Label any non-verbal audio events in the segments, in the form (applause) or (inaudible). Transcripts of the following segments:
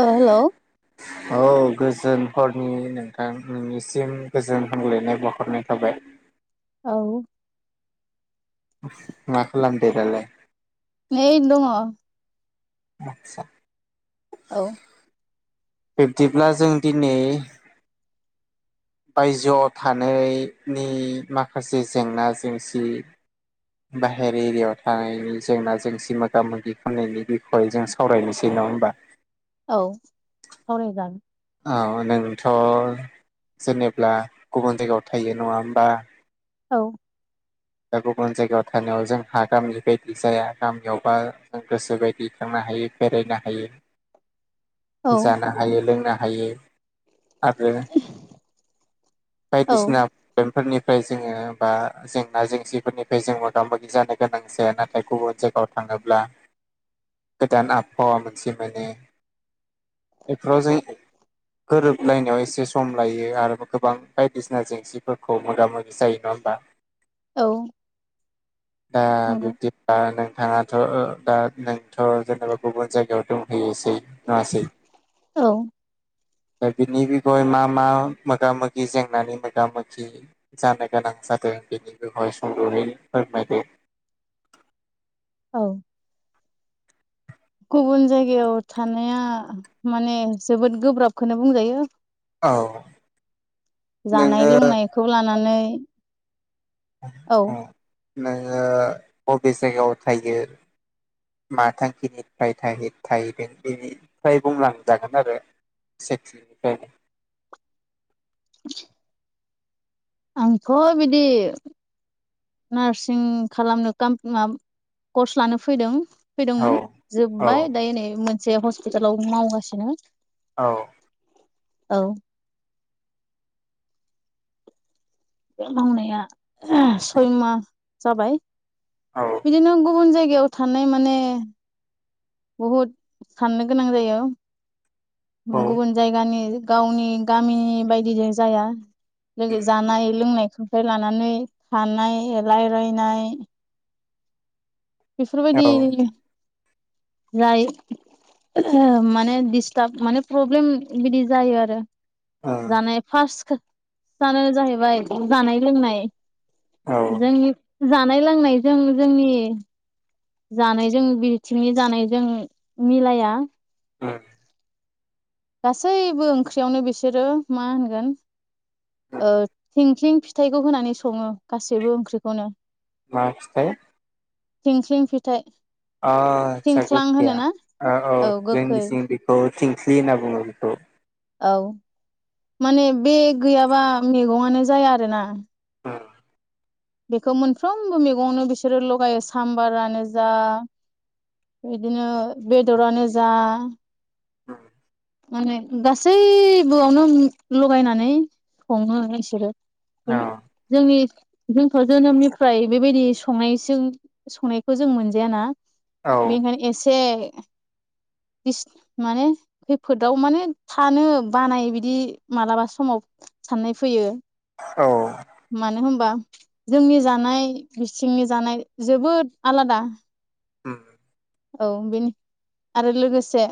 ओ हेलौ औ गोजोन। हरनि नोंथां नोंनिसिम गोजोन हामगलायनाय बावहरनाय थाबाय औ। दे रालाय। नै दङ। बाखसा। औ। बिब्दिब्ला जों दिनै। बायजोआव थानैनि माखासे जेंना जेंसि। बाहेर एरियायाव थानायनि जेंना जेंसि मोगा मोगि खालामनायनि बिखय जों सावरायनोसै। नङा होमबा। औ सावरायजागोन। औ नोंथ' जेनेब्ला गुबुन जायगायाव थायो नङा होमबा? औ। दा गुबुन जायगायाव थानायाव जोंहा गामि बायदि जाया गामियावबा जों गोसो बायदि थानो हायो। हायो बेरायनो हायो औ जानो हायो लोंनो हायो। आरो औ बायदिसिना बे। फोरनिफ्राय जोङो बा जों। बा जेंसिफोरनिफ्राय जों मोगा मोगि जानो गोनां जाया नाथाय गुबुन जायगायाव थाङोब्ला। गोदान आबहावा मोनसे मोनो बेफोराव जों। गोरोबलायनायाव एसे सम लायो आरो गोबां बायदिसिना जेंसिफोरखौ मोगा मोगि जायो नं बा। औ। दा बि। नंगौ थाङाथ' दा नोंथ' जेनेबा गुबुन जायगायाव दंहैयोसै नंआसै। औ दा बिनि बिखय मा मा मोगा मोगि जेंनानि मोगा मोगि जानो गोनां जादों बेनि बिखय सुंद'यै फोरमाय । औ। गुबुन जायगायाव थानाया माने जोबोद गोब्राबखौनो बुंजायो। औ जानाय नोङो लोंनायखौ लानानै औ उम नोङो बबे जायगायाव थायो मा थांखिनिफ्राय थाहै थाहैदों बेनिफ्राय बुंलांजागोन आरो। सेथि फ्राय (inaudible) आंथ' बिदि नार् सिंखालामनो काम मा कर्स लानो फैदों फैदोंमोन औ जोब्बाय दायो नै मोनसे हस्पिटालाव मावगासिनो। औ औ बे मावनाया सय माह जाबाय। बिदिनो गुबुन जायगायाव थानाय माने बहुद साननो गोनां जायो औ गुबुन जायगानि गावनि गामिनि बायदिजों जाया लोगो जानाय लोंनाय संफ्राय लानानै थानाय लायरायनाय औ बेफोरबायदि लाय माने दिस्टाब माने प्रब्लेम बिदि जायो आरो। जानाय फास्टखो सानो जाहैबाय जानाय लोंनाय। औ जोंनि जानाय लोंनायजों जोंनि जानायजों बिथिंनि जानायजों मिलाया। (unintelligible) गासैबो ओंख्रियावनो बिसोरो मा होनगोन ओ थिंख्लिं फिथाइखौ होनानै सङो गासैबो ओंख्रिखौनो। मा फिथाइ? थिंख्लिं फिथाइ। अ आदसा थिंख्लां गोखैया होनोना ओ औ जोंनिथिं बेखौ थिंख्लि होनना बुङो बिखौ। औ माने बे गैयाबा मैगङानो जाया आरोना। उम बेखौ मोनफ्रोमबो मैगंआवनो बिसोरो लगायो साम्बारानो जा बिदिनो बेदरानो जा उम माने गासैबोयावनो उम लगायनानै सङो इसोरो। औ (unintelligible) जोंनि जोंथ' जोनोमनिफ्राय बेबायदि संनाय जों संनायखौ जों मोनजायाना औ बेखायनो एसे इस्ट माने खैफोदाव माने थानो बानाय बिदि मालाबा समाव साननाय फैयो। औ मानो होमबा? जोंनि जानाय बिसथिंनि जानाय जोबोद आलादा। उम औ बेनि आरो लोगोसे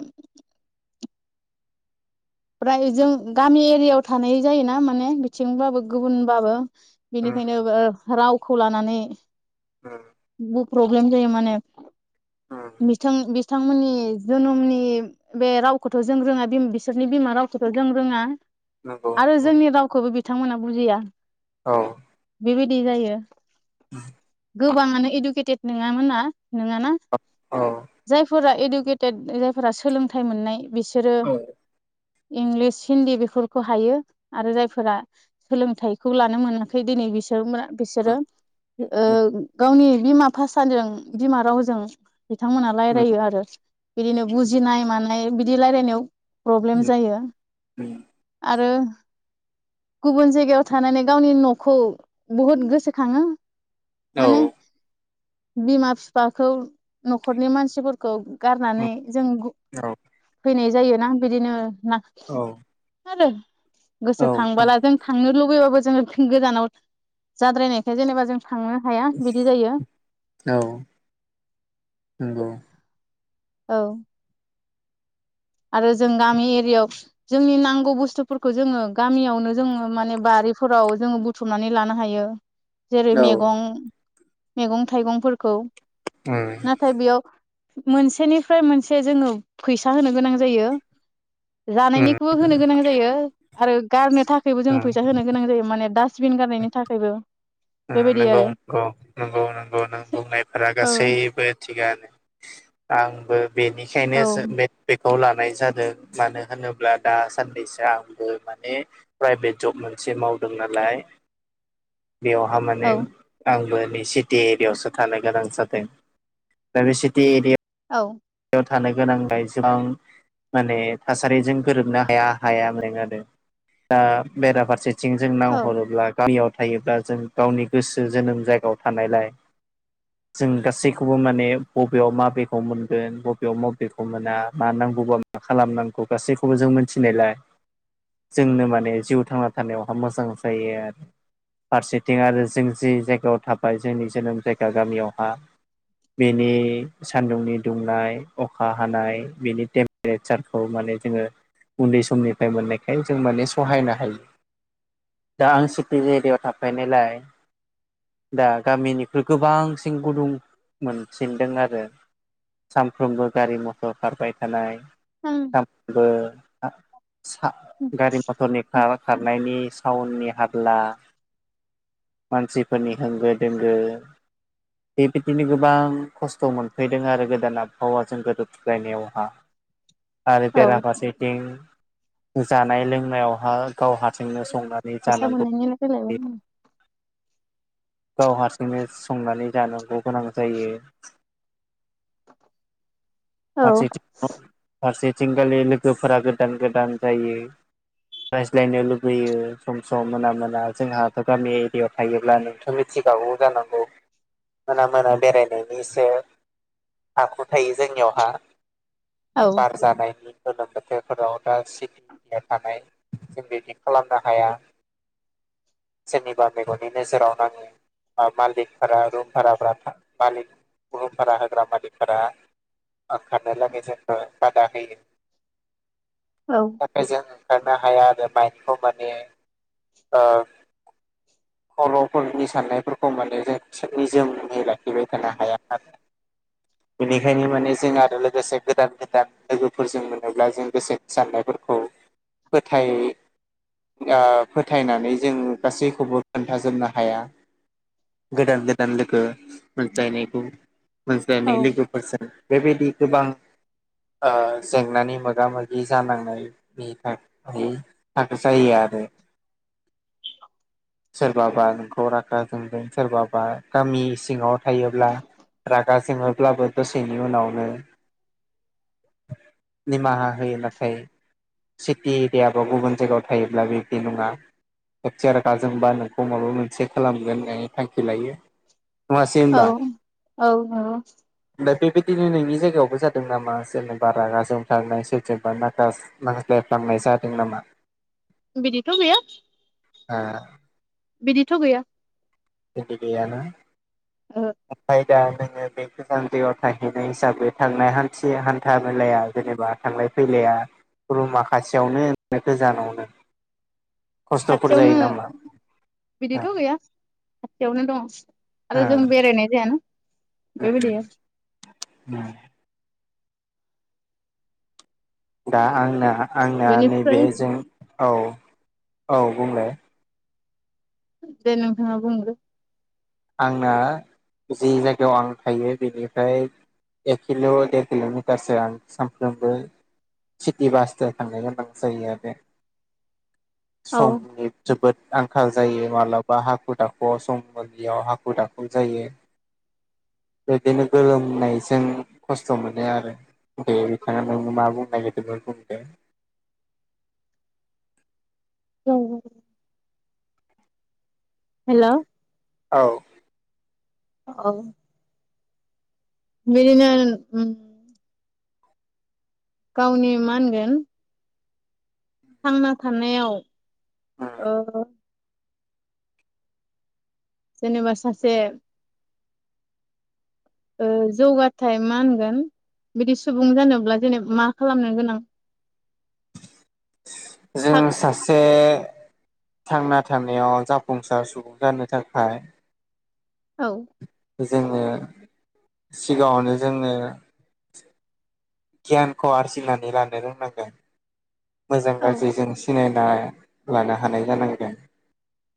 प्राय जों गामि एरियायाव थानाय जायोना माने बिथिंबाबो गुबुनबाबो बेनिखायनो ओ रावखौ लानानै बो प्रब्लेम जायो माने। उम बिथां बिथांमोननि जोनोमनि बे रावखौथ' जों रोङा बिम बिसोरनि बिमा रावखौथ' जों जों रोङा नंगौ आरो नंगौ जोंनि रावखौबो बिथांमोना बुजिया औ बेबायदि जायो। (inaudible) गोबाङानो इडुकेटेड नङामोन ना नोङाना औ जायफोरा इडु इुकेटेद जायफोरा सोलोंथाइ मोननाय बिसोरो औ इंलिस हिन्दी बेफोरखौ हायो आरो जायफोरा सोलोंथाइखौ लानो मोनाखै दिनै बिसोर (unintelligible) उम बिसोरो ओ गावनि बिमा भाषाजों बिमा रावजों बिथांमोना उम रायलायो आरो। बिदिनो बुजिनाय मानाय बिदि रायलायनायाव प्रब्लेम जायो। उम आरो गुबुन जायगायाव थानानै गावनि न'खौ बहुद गोसोखाङो औ। माने बिमा बिफाखौ न'खरनि मानसिफोरखौ गारनानै जों गु औ फैनाय जायोना बिदिनो ना औ आरो। औ नंगौ गोसोखांबोला जों थांनो लुबैबाबो जोङो गोजानाव जाद्रायनायखाय जेनेबा जों थांनो हाया बिदि जायो। औ। औ। आरो जों गामि एरियायाव जोंनि नांगौ बुस्थुफोरखौ जोङो गामियावनो जोङो माने बा बारिफोराव जोङो बुथुमनानै लानो हायो। जेरै उम मेगं मेगं थाइगंफोरखौ, नाथाय बेयाव मोनसेनिफ्राय मोनसे जोङो फैसा होनो गोनां जायो। उम जानायनिखौबो होनो गोनां जायो आरो गारनो नि थाखायबो जों उम फैसा होनो गोनां जायो। माने डास्बिन गारनायनि थाखायबो बेबायदि नंगौ आरो। नंगौ नंगौ नंगौ (unintelligible) गासैबो थिगानो आंबो बेनिखायनो औ (unintelligible) खौ लानाय जादों मानो होनोब्ला दासान्दिसो आंबो माने प्राइभेट जब मोनसे मोनसे मावदों नालाय बेयावहा औ माने आंबो नै सिटि एरियायावसो थानो गोनां जादों दा बे सिटि एरिया औ थानो गोनांखाय गोबां माने थासारिजों गोरोबनो हाया हाया मोनो आरो। दा बेराफारसेथिं जों औ नाहरोब्ला गामियाव थायोब्ला जों गावनि गोसो जोनोम जायगायाव थानायलाय जों गासैखौबो माने बबेयाव माबेखौ मोन मोनगोन बबेयाव मबेखौ मोना मा नांगौबा मा खालामनांगौ गासैखौबो जों मिथिनायलाय जोंनो माने जिउ थांना थानायावहा मोजां जायो आरो। फारसेथिं आरो जों जि जायगायाव थाबाय जोंनि जोनोम जायगा गामियावहा बेनि सान्दुंनि दुंनाय, अखा हानाय बिनि टेम्पारेसारखौ माने जोङो उन्दै समनिफ्राय मोननायखाय जों माने सहायनो हायो। दा आं सिटि एरियायाव थाफैनायलाय दा गामिनिख्रुइ गोबांसिन गुदुं मोनसिनदों आरो। सानफ्रोमबो गारि मथर खारबाय थानाय ओं सामफ्राबो-सा-सा गारि मथरनि खा-खारनायनि टाउननि हारला मानसिफोरनि होंगो दोंगो बेबायदिनो गोबां खस्थ' मोनफैदों आरो गो गोदान आबहावाजों गोरोबलायनायावहा आरो औ बेराफारसेथिं जानाय लोंनायावहा गाव हारथिंनो संनानै फैसा जानांगौ। मोननायनि रायलायबाय गाव हारसिंनो संनानै जानांगौ गोनां जायो। औ फारसेथिं फारसेथिंखालि लोगोफोरा गोदान गोदान जायो। रायज्लायनो लुबैयो सम सम मोना मोना जोंहाथ' गामि एरियायाव थायोब्ला नोंथ' मिथि मिथिखागौ जानांगौ मोना मोना बेरायनायनि इसे हाखु थायो जोंनियावहा औ बार जानायनि गोलोम बोथोरफोराव दा सिटि एरिया थानाय जों बिदि खालामनो हाया। सोरनिबा मेगननि नोजोराव नाङो। बा मालिकफोरा रुम भारा मा रुम भारा होग्रा मालिकफोरा ओंखारनाय लागै जोंखौ बादा होयो। औ बेनि थाखाय जोंङो थारनो हाया आरो माइन्डखौ माने ओ खर'फोरनि सान्नायफोरखौ माने जों सोरनि जोम मुै लाखिबाय थानो हाया आरो। बेनिखायनो माने जों आरो लोगोसे गोदान गोदान लोगोफोरजों मोनोब्ला जों गोसो साननाय फोरखौ फोथायनानै जों गासैखौबो खोनथाजोबनो हाया गोदान गोदान लोगो मोनज्लायनायखौ औ मोनसेनै लोगोफोर बेबायदि गोबां जेंनानि मोगा मोगि जानांनाय बे थाखाय थाखो जायो आरो। (unintelligible) सोरबाबा नोंखौ रागा जोंदों सोरबाबा गामि सिङाव थायोब्ला रागा जोङोब्लाबो दसेनि उनावनो निमाहा होयो नाथाय सिटि एरियाबो गुबुन जायगायाव थायोब्ला बेबदि नङा खेथि आरो गाज्रि जोंबा नोंखौ माबा मोनसे खालामगोन होननानै थांखि लायो। औ नङासैहोनबा? औ नंगौ दा बेबादि बिदिनो नोंनि जायगायावबो जादों नामा? जेनेबा रागा जोंफ्लांनाय सोरजोंबा नांज्लायफांनाय। जादों नामा? बिदिथ गैया। हा? बिदिथ' गैया। एदि गैयाना? औ। ओमफ्राय दा जोङो बे गोजान दैआव थांहैनाय हिसाबै थांनाय हान्था मेलाया जेनेबा थांनाय फैलाया रुम माखासेयावनो गोजानावनो खस्थ'फोर खाथियावनो जायो नामा बिदिथ' गैया खाथियावनो दं ओ आरो जों बेरायनाय जायाना बेबायदि आरो उम। दा आंना आंना नैबे बेनिफ्राय जों औ औ बुंलाय दे नोंथाङा बुंग्रो आंना जि जायगायाव आं थायो बेनिफ्राय एक किल' देर किल' मिटारसो आं सानफ्रोमबो सिटि बासजों थांनो गोनां जायो आरो । बे औ समनि जोबोद आंखाल जायो। मालाबा हाखु दाखुआव समफोर लियाव हाखु दाखु जायो। बिदिनो गोलोमनायजों खस्थ' मोनो आरो। दे बिथाङा मा बुंनो नागिरदोंमोन बुं दे। औ। हेल' औ। औ। बिदिनो गावनि मा होनगोन? थांना थानायाव ओ सोरनिबा सासे जौगाथाय मा होनगोन बिदि सुबुं जानोब्ला जेनेब मा खालामनो गोनां जों औ सासे थांना थानायाव जाफुंसार सुबुं जानो थाखाय औ जोङो सिगाङावनो जोङो गियानखौ आरजिनानै लानो रोंनांगोन मोजां औ गाज्रि जों सिनाय लानो हानाय जानांगोन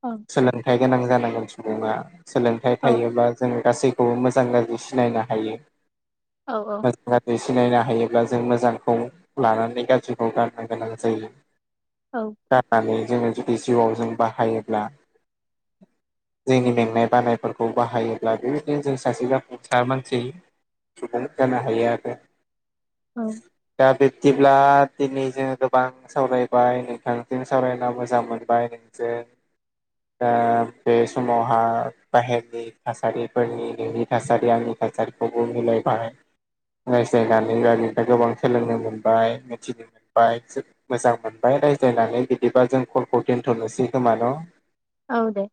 औ सोलोंथाइ गोनां जानांगोन सुबुङा सोलोंथाइ औ थायोबा जोङो गासैखौबो मोजां गाज्रि सिनायनो हायो औ मोजां गाज्रि सिनायनो हायोब्ला जों मोजांखौ लानानै गाज्रिखौ गार गोनां जायो औ जानानै (inaudible) जोङो जुदि जिउआव जों बाहायोब्ला जोंनि मेंनाय बानायफोरखौ बाहायोब्ला बेबायदिनो जों सासे जाफुंसार मानसि सुबुं जानो हायो आरो औ दा बिब्दिब्ला दिनै जों गोबां सावरायबाय नोंथांजों सावरायना मोजां मोनबाय नोंजों दा बे समावहा बाहेरनि थासारिफोरनि ननि थासारि आंनि (unintelligible) रायज्लायनानै (unintelligible) गोबां सोलोंनो मोनबाय मिथिनो मोन बाय जोब मोजां मोनबाय रायज्लायनानै बिदिबा जों कलखौ दोनथ'नोसै खोमान' औ दे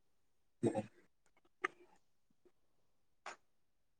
(inaudible)